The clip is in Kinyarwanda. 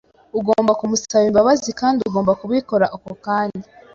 Ugomba kumusaba imbabazi kandi ugomba kubikora ako kanya.